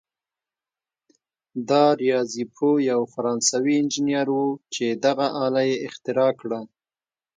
دا ریاضي پوه یو فرانسوي انجنیر وو چې دغه آله یې اختراع کړه.